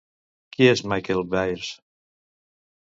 Qui és Michael Byers?